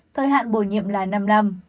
thời hạn bổ nhiệm là năm năm